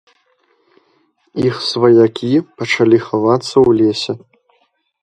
Іх сваякі пачалі хавацца ў лесе.